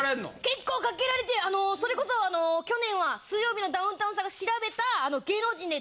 結構かけられてそれこそ去年は『水曜日のダウンタウン』さんが調べた芸能人で。